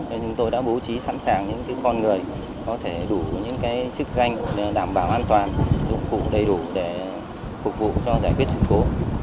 nên chúng tôi đã bố trí sẵn sàng những con người có thể đủ những chức danh đảm bảo an toàn dụng cụ đầy đủ để phục vụ cho giải quyết sự cố